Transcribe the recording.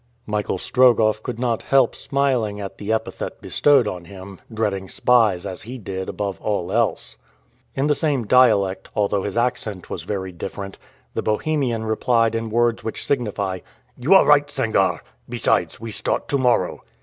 Michael Strogoff could not help smiling at the epithet bestowed on him, dreading spies as he did above all else. In the same dialect, although his accent was very different, the Bohemian replied in words which signify, "You are right, Sangarre! Besides, we start to morrow."